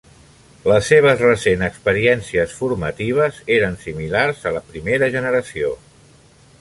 Les seves recents experiències formatives eren similars a la primera generació.